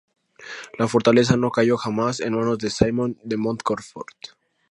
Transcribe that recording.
La fortaleza no cayó jamás en manos de Simón de Montfort.